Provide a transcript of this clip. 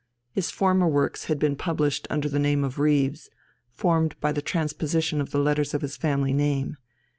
His former works had been published under the name of Reves, formed by the transposition of the letters of his family name.